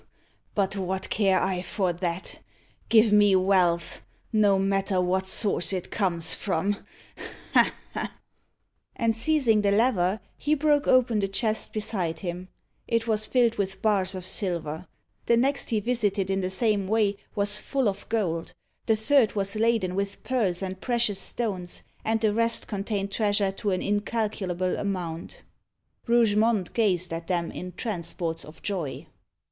But what care I for that? Give me wealth no matter what source it comes from! ha! ha!" And seizing the lever, he broke open the chest beside him. It was filled with bars of silver. The next he visited in the same way was full of gold. The third was laden with pearls and precious stones; and the rest contained treasure to an incalculable amount. Rougemont gazed at them in transports of joy.